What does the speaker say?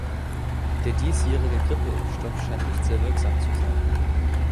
Der diesjährige Grippeimpfstoff scheint nicht sehr wirksam zu sein